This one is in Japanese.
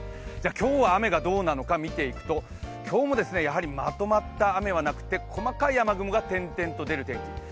今日は雨がどうなのか見ていくと、今日もやはりまとまった雨はなくて、細かい雨雲が点々と出る天気。